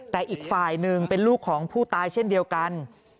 แต่อีกฝ่ายหนึ่งเป็นลูกของผู้ตายเช่นเดียวกัน